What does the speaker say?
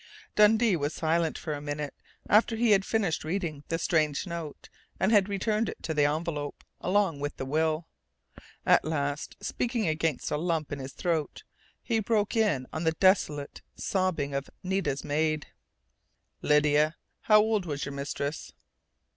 '" Dundee was silent for a minute after he had finished reading the strange note and had returned it to the envelope, along with the will. At last, speaking against a lump in his throat, he broke in on the desolate sobbing of Nita's maid: "Lydia, how old was your mistress?"